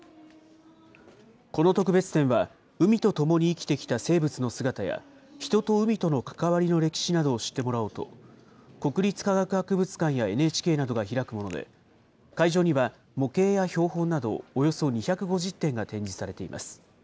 この特別展は、海とともに生きてきた生物の姿や、人と海との関わりの歴史などを知ってもらおうと、国立科学博物館やＮＨＫなどが開くもので、会場には模型や標本など、およそ２５０点が展示されています。